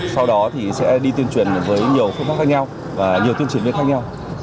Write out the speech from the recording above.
sau đó thì sẽ đi tuyên truyền với nhiều phương pháp khác nhau và nhiều tuyên truyền viên khác nhau